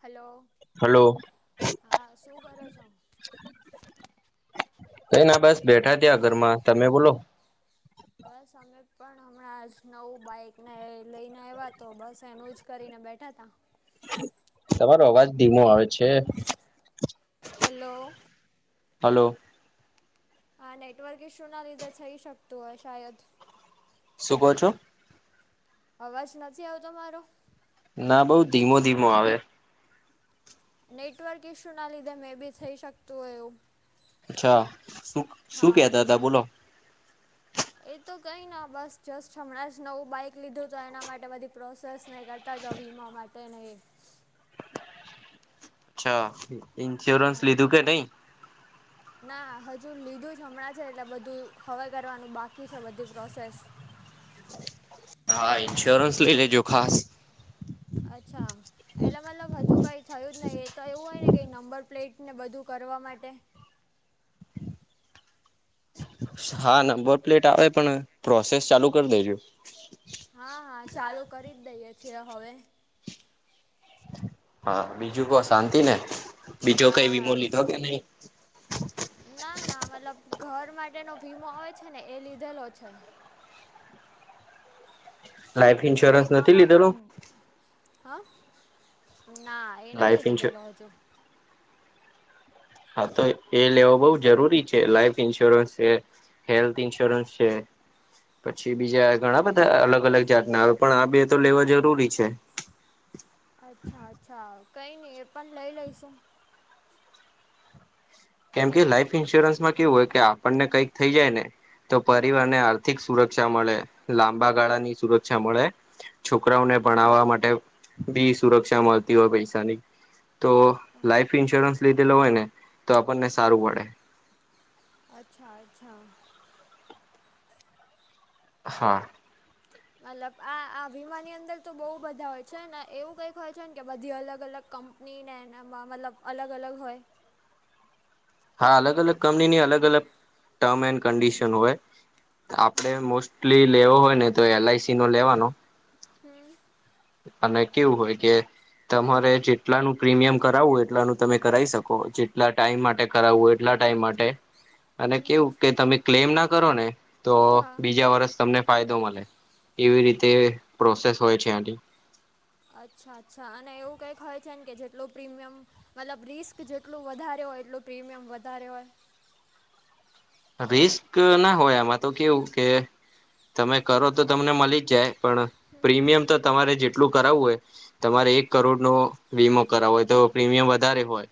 હાલો, hello હા શું કરો છો? [inaudible] કઈ ના બસ બેઠા ત્યાં ઘરમાં તમે બોલો બસ અમે પણ હમણાં જ નવું બાઈકને લઈને આવ્યા તો બસ એનું જ કરીને બેઠા હતા તમારો અવાજ ધીમો આવે છે હલો હલો હા નેટવર્ક શું ના લીધે થઈ શકતું હોય શાયદ શું ક છ અવાજ નથી આવતો મારો ના બઉ ધીમો ધીમો આવે નેટવર્ક ઈસ્યુના લીધે મેં બી થઈ શકતું એવું અચ્છા શું શું હા. કતા હતા બોલો એ તો કઈ ના બસ જસ્ટ હમણાં જ નવું બાઈક લીધું તો એના માટે બધી પ્રોસેસ નહી કર તાજા વીમા માટે નહીં અચ્છા ઇન્સ્યોરન્સ લીધું કે નઈ તે નહી [inaudible] ના હજુ લીધું જ હમણાં છે એટલે બધું હવે કરવાનું બાકી છે બધી પ્રોસેસ હા ન્શ્યોરન્સ લઇ લેજો ખાસ અચ્છા. એટલે મતલબ હજુ કઈ થયું જ નહી એ તો એવું હોય ને કેઈ નંબર પ્લેટ ને બધું કરવા માટે. હા નંબર પ્લેટ આવે પણ પ્રોસેસ ચાલુ કરી દેજો. હા હા ચાલુ કરી જ દઈએ છેએ હવે. હા બીજું કો શાંતિ ને બીજો કઈ હા વીમો હા લીધો કે શાંત નહી. ના ના મતલબ ઘર માટેનો વીમો આવે છે ને એ લીધેલો છે. લાઈફ [inaudible] ઇન્સ્યોરન્સ નથી વીમામાં લીધેલો પણ. હા [inaudible] ના એ લાઈફ નથી ઇન્સ્યોર લીધેલો હજુ. હા તો એ લેવો બહ જરૂરી છે લાઈફ ઈન્સ્યોરન્સ છે હેલ્થ ઈન્સ્યોરન્સ છે. પછી બીજા ઘણા બધા અલગ અલગ જાતના આવે પણ આ બે તો લેવા જરૂરી છે. અચ્છા અચ્છા કઈ નઈ એ પણ લઈ લઈશું. કેમ કે લાઈફ ઈન્સ્યોરન્સમાં કેવું હોય કે આપણને કઈક થઈ જાય ને તો હા પરિવારને. આર્થિક સુરક્ષા મળે લાંબા ગાળા ની સુરક્ષા મળે. છોકરાઓને ભણાવવા માટે બી સુરક્ષા મળતી હોય પૈસાની. તો લાઈફ ઈન્સ્યોરન્સ લીધેલો હોય ને તો આપણને સારું પડે. અચ્છા અચ્છા. હા. મતલબ આ આ વીમાની અંદર તો બહુ બધા હોય છે ને એવું કંઈક હોય છે કે બધી અલગ અલગ. કંપનીને એનામાં મતલબ અલગ અલગ હોય. હા અલગ અલગ કંપનીની અલગ અલગ ટર્મ એન્ડ કન્ડિશન હોય. આપડે હા મોસ્ટલી લેવો હોય ને તો એલઆઈસી નો લેવાનો. હમ. અને કેવું હોય કે તમારે જેટલાનું પ્રીમિયમ કરાવુંય એટલાનું તમે. કરાવ શકો જેટલા ટાઈમ માટે કરાવવુંય એટલા ટાઈમ માટે. અને હમ કેવું કે તમે ક્લેમ ના કરો ને તો હા બીજા વરષ તમને ફાયદો મળે. એવી રીતે પ્રોસેસ હોય છે આની. અચ્છા અચ્છા અને એવું કઈક હોય છેને કે જેટલું પ્રીમિયમ. મતલબ રિસ્ક જેટલું વધારે હોય એટલું પ્રીમિયમ વધારે હોય. રિસ્ક ના હોય આમાં તો કેવું કે. તમે કરો તો તમને મળી જ જાય પણ પ્રીમિયમ તો તમારે જેટલું કરાવવું હોય. તમારે એક કરોડ નો વીમો કરાવો હોય તો પ્રીમિયમ વધારે હોય.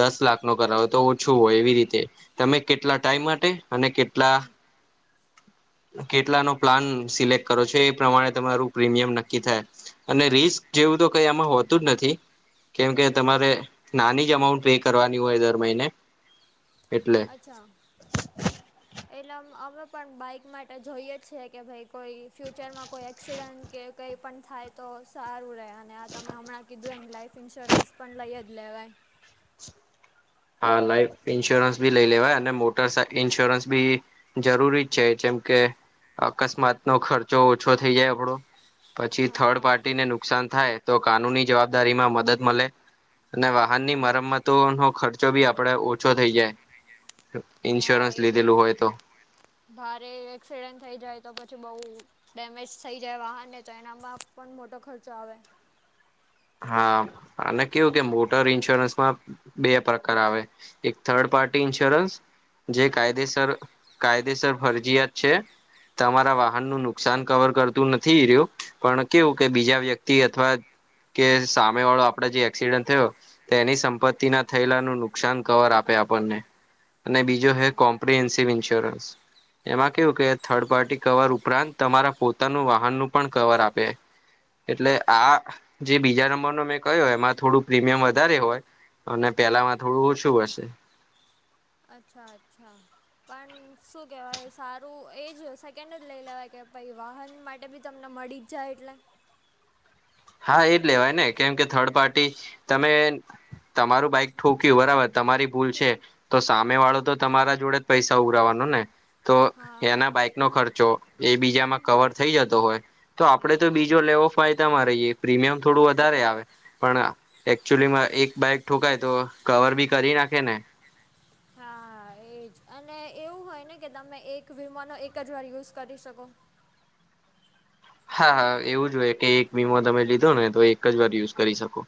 દસ લાખ નો કરાવો તો ઓછું હોય એવી રીતે તમે કેટલા ટાઈમ માટે અને કેટલા. કેટલા નો પ્લાન સિલેક્ટ કરો છો એ પ્રમાણે તમારું પ્રીમિયમ નક્કી થાય. અને રિસ્ક જેવું તો કઈ આમાં હોતું જ નથી. કેમ કે હમ તમારે નાની જ અમાઉન્ટ પે કરવાની હોય દર મહિને એટલે. અચ્છા. એટલે અ અમે પણ બાઈક માટે જોઈએ જ છીએ કે ભાઈ કોઈ ફ્યુચરમાં કોઈ એક્સિડન્ટ. કે કંઈ પણ થાય તો સારું રહે અને આ તમે હમણાં કીધું એમ લાઇફ ઇન્સ્યોરન્સ પણ લઈ જ લેવાય. હા લાઈફ ઈન્સ્યોરન્સ ભી લઇ લેવાય અને મોટા ઇન્સ્યોરન્સ બી. જરૂરી જ છે જેમ કે અકસ્માત નો ખર્ચો ઓછો થઇ જાય આપડો. પછી થર્ડ હા પાર્ટી ને. નુકસાન થાય તો કાનૂની જવાબદારી માં મદદ મળે અને વાહનની હા મરમતોનો ખર્ચ. બી આપડે ઓછો થઈ જાય હા ઇન્સ્યોરન્સ એ બી લીધેલું હોય તો. ભારે એક્સિડેન્ટ થઈ જાય તો પછી બઉ. ડેમેજ થઈ જાય વાહનને તો એનામાં પણ મોટો ખર્ચો આવે. હા અને કેવું કે મોટર ઇન્સ્યોરન્સમાં બે પ્રકાર આવે. એક થર્ડ હમ પાર્ટી ઇન્સ્યોરન્સ જે હમ કાયદેસર કાયદેસર ફરજીયાત છે. તમારા વાહન નું નુકસાન કવર કરતું નથી ઈ રહ્યું પણ કેવું હમ કે બીજા વ્યક્તિ અથવા. કે સામે વાળો આપડે જે એક્સિડન્ટ થયો તો એની હમ સંપત્તિ ના. થયેલા ન નુકસાન કવર આપે આપણને અને બીજો હ અચ્છા કોમ્પન્સિવ ઇન્સ્યોરન્સ. એમાં કેવું કે થર્ડ પાર્ટી કવર ઉપરાંત તમારા પોતાનું વાહનનું પણ કવર આપે. એટલે આ જે બીજા નંબર ન મેં કહ્યો એમાં થોડું પ્રીમિયમ વધારે હોય. અને હમ પેલા માં થોડું ઓછું હશે. અચ્છા અચ્છા પણ શું કહેવાય સારું એ જ સેકન્ડ જ લઈ લેવાય કે ભાઈ વાહન માટે બી તમને મળી જ. જાય એટલે. હા એજ લેવાય ને કેમ કે થર્ડ પાર્ટી તમે તમારું બાઈક ઠોક્યું બરાબર તમારી ભૂલ છે. તો સામે વાળો તો તમારા જોડે જ પૈસા ઉઘરાવાનો ને તો હા એના બાઈક નો ખર્ચો એ બીજામાં કવર થઈ જતો હોય તો આપડે તો હા બીજો લેવો ફાયદામાં રહીએ. પ્રીમિયમ થોડું વધારે આવે. પણ એકચુલી માં એક બાઈક ઠોકાય તો કવર બી કરી નાખે ને. હા એજ અને એવું હોય ને કે તમે એક વિમાનો એક જ વાર યુઝ કરી શકો. હા હા એવું જ હોય કે એક વીમો તમે લીધો ને તો એક જ વાર યુઝ કરી શકો.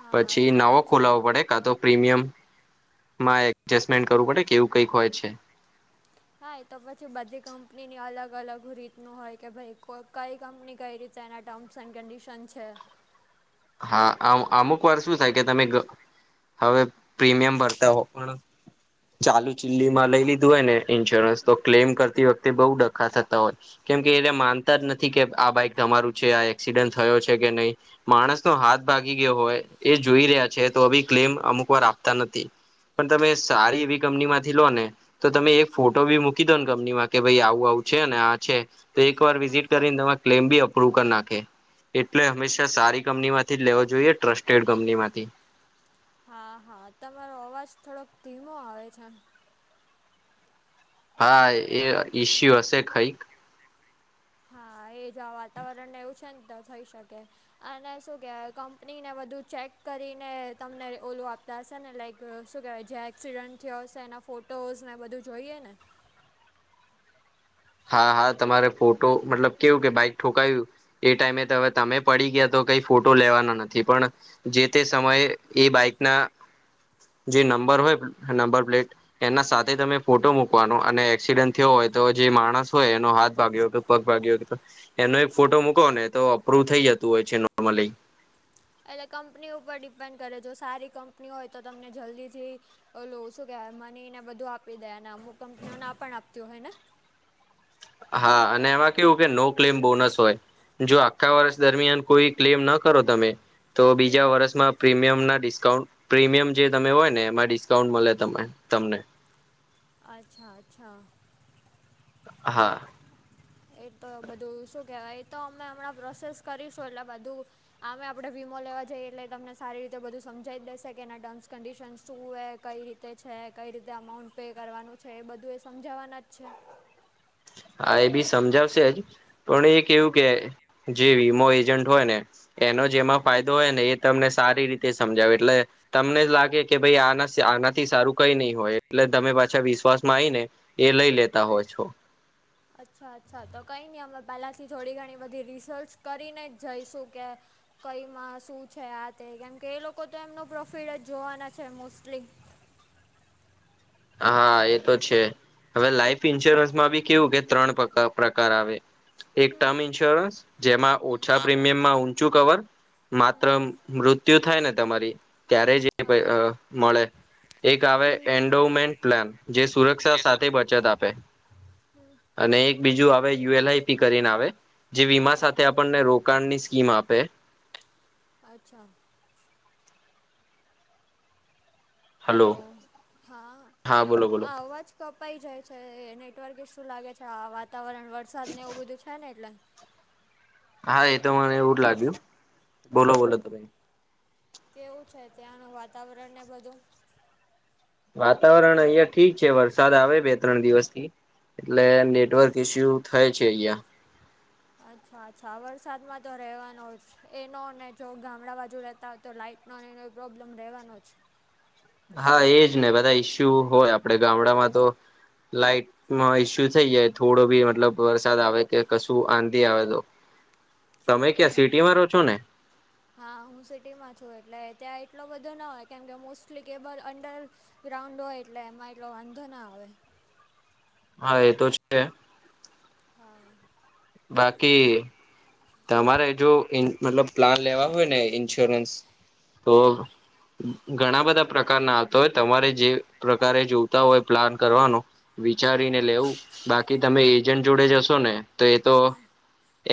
હા પછી અચ્છા નવો અચ્છા ખોલાવો પડે. કા તો પ્રીમિયમ માં એડજેસ્ટમેન્ટ કરવું પડે કેવું કઈક હોય છે. હા એ તો પછી બધી કંપનીની અલગ અલગ રીતનું હોય કે ભાઈ કઈ કંપની કઈ રીત. એના ટર્મ્સ એન્ડ કન્ડિશન છે. હા અ અમુક વાર શું થાય કે તમે હવે પ્રીમિયમ ભરતા હો પણ ચાલુ ચિલ્લી માં લઈ લીધું હોય ને ઇન્સ્યોરન્સ તો ક્લેમ કરતી વખતે બહુ ડ્ખા થતા હોય કેમકે એને માનતા જ નથી કે આ બાઈક તમારું છે આ એક્સિડન્ટ થયો છે કે નહીં. માણસ નો હાથ ભાગી ગયો હોય એ જોઈ રહ્યા છે તો અભી ક્લેમ અમુક વાર આપતા નથી. પણ તમે સારી એવી કંપની માંથી લો ને તો તમે એક હમ. ફોટો ભી મૂકી દો ને કંપનીમાં કે ભાઈ આવું આવું છે ને આ છે. તો એક વાર હા વિઝિટ કરીને તમા ક્લેમ બી અપ્રુવ કરી નાખે એટલે હંમેશા સારી કંપની માંથી લેવો જોઈએ ટ્રસ્ટેડ કંપની માંથી હા હા તમારો અવાજ થોડોક ધીમો આવે છે. હા એ ઈસ્યુ હશે કઈક. હા એજ વાતાવરણ ને એવું છે ને તો થઈ શકે. અને શું કેવાય કંપનીને બધુ ચેક કરીને તમને ઓલું આપ તશે ને લાઈક શું કહેવાય જે્યાં એક્સિડન્ટ થયો હશે એના ફોટોઝ એ બધું જોઈએ ને હા હા તમારે ફોટો મતલબ કેવું કે બાઈક ઠોકાવ્યું. એ ટાઈમે હમ તો હવે તમે પડી ગયા તો કઈ ફોટો લેવાના નથી પણ જે તે સમયે એ બાઈક ના જે નંબર હોય નંબર પ્લેટ એના હમ સાથે તમે ફોટો મૂકવાનો અને એક્સિડન્ટ થયો હોય તો જે માણ માણસ હોય એનો હાથ ભાગ્યો હતો પગ ભાગ્યો હતો એનો એક ફોટો મૂકો ને તો અપ્રુવ થઈ જતું હોય છે નોર્મલી એટલે કંપની ઉપર ડિપેન્ડ કરે જો સારી કંપની હોય તો તમને જલ્દીથી હલો શું કેવાય મની ને બધું આપી દે ને અમુક કંપનીઓ ના પણ આપતી હોય ને હા અને એમાં કેવું કે નો ક્લેમ બોનસ હોય. જો આખા હા વર્ષ દરમિયાન કોઈ ક્લેમ ના કરો તમે તો બીજા હમ વર્ષમાં પ્રીમિયમના ડિસ્કાઉન્ટ પ્રીમિયમ જે તમે હોય ને એમાં ડિસ્કાઉન્ટ હમ મળે તમે તમને અચ્છા અચ્છા હા. એ તો બધું શું કહેવાય એ તો અમે હમણાં પ્રોસેસ કરીશું એટલે બધું આમે આપણે વીમો લેવા જઈએ એટલે તમને સારી રીતે બધું સમજાવી જ દેશે કે એના ટર્મ્સ કન્ડિશનસ શું હે કઈ રીતે છે કઈ રીતે અમાઉન્ટ પે કરવાનું છે એ બધું એ સમજાવવાના જ છે. હા એ બી સમજાવશેજ પણ એ એવું હમ કે જે વીમો એજન્ટ હોય ને એનો હા જેમાં ફાયદો તો હોય ને એ તમને સારી રીતે સમજાવે એટલે તમને જ લાગે કે ભાઈ આના આનાથી સારું કઈ નહી હોય એટલે તમે પાછા વિશ્વાસમાં આવી ને. એ લઈ લેતા હોય છો. અચ્છા અચ્છા તો કંઈ નહીં અમે પહેલાંથી થોડી ઘણી બધી રિસર્ચ કરીને જ જઈશું કે. કઈમાં શું છે આ તે કેમકે એ લોકો તો એમનો પ્રોફિટ જ જોવાના છે મોસ્ટલી. હા એ તો છે હવે લાઈફ ઈન્સ્યોરન્સમાં બી કેવું કે ત્રણ પ્રકાર આવે એક હમ ટર્મ ઇન્સ્યોરન્સ જેમાં ઓ હમ ઓછા પ્રીમિયમમાં ઊંચું કવર માત્ર હમ મૃત્યુ થાય ને તમારી ત્યારે જ એ પહિ હા મળે એક આવે એન્ડ હમ ઈમ્પ્રુવમેન્ટ પ્લાન જે સુરક્ષા જે સુ સાથે બચત આપે. હમ અને એક બીજું આવે યુ એલઆઈ પી કરીને આવે જે વીમા હા સાથે આપણને રો કાણ ની સ્કીમ આપે. અચ્છા. હલો હા હા બોલો બોલો આ અવાજ કપાઈ જાય છે નેટવર્ક ઈશું લાગે છે આ વાતાવરણ વરસાદ ને એવું બધું છે ને એટલે હા એ તો મને એવું જ લાગ્યું બોલો હમ બોલો તો ભાઈ કેવું છે ત્યાંનું વાતાવરણને બધું વાતાવરણ અહીંયા ઠીક છે વરસાદ આવે બે ત્રણ દિવસથી એટલે નેટવર્ક ઈસ્યુ થાય છે અહિયાં અચ્છા અચ્છા વરસાદમાં તો રહેવાનો જ એનો જો ગામડા બાજુ રહેતા હોય તો લાાઈટ નો એનો પ્રોબ્લેમ રહેવાનો જ હા એજ ને બધા ઈશ્યુ હોય આપણેે ગામડામાં તો લાઈટ માં ઈસ્યુ થઈ જાય થોડો બી મતલબ વરસાદ આવે કે કશું આંધી આવે તો તમે ક્યાં હમ્મ. સિટીમાં રહો છો ને હા હું સિટીમાં છું એટલે ત્યાં એટલો બધો ન હોય કેમ કે મોસ્ટલી કેબલ અંડર ગ્રાઉન્ડ હોય એટલે એમાં એટલો વાંધો ના આવે. હા એ તો છે. હા. બાકી તમારે જો મતલબ પ્લાન લેવા હોય ને ઇન્સ્યોરન્સ હમ તો ઘણા બધા પ્રકારના આવતા હોય તમારે જે પ્રકારે જોવતા હોય પ્લાન કરવાનો હા વિચારીને લેવું બાકી તમે હા હા એજન્ટ જોડે જશો ને તો એ તો હા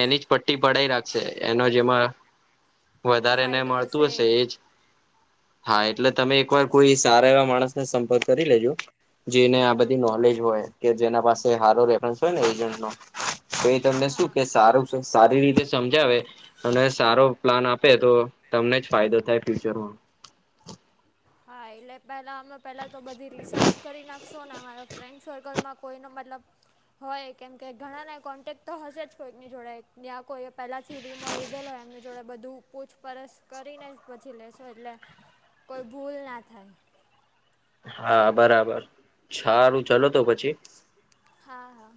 એની જ પટ્ટી ભડાઈ રાખશે એનો જેમાં વધારે ને ફાયદો મળતું એ હશે એજ. હા એટલે તમે એકવાર કોઈ સારા એવા માણસને સંપર્ક કરી લેજો. જેને આ હા બધી નોલેજ હોય કે જેના પાસે સારો રેફરન્સ હોય ને એજન્ટ નો. તો એ તમને શું હા કે સારું છે સારી રીતે સમજાવે અને સારો પ્લાન આપે તો તમને જ ફાયદો થાય ફ્યુચરમાં. હા એટલે પેલા અમે પેલા તો બધી રિસર્ચ કરી નાખશો ને અમારા ફ્રેન્ડ સર્કલમાં કોઈનો મતલબ હોય કેમ કે ઘણાના કોન્ટેક તો હશે જ કોઈકની જોડે ત્યાં કોઈ પહેલાંથી વીમો લીધેલોય એમની જોડે બધું પૂછપરછ કરીને જ પછી લેશો એટલે કોઈ ભૂલ ના થાય. હા બરાબર સારું ચલો તો પછી. હા હા.